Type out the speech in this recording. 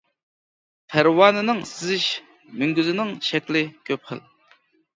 پەرۋانىنىڭ سېزىش مۈڭگۈزىنىڭ شەكلى كۆپ خىل.